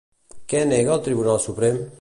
Què nega el Tribunal Suprem?